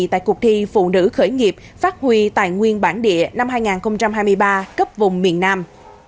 tại cuộc thi phụ nữ khởi nghiệp phát huy tài nguyên bản địa năm hai nghìn hai mươi ba cấp vùng miền nam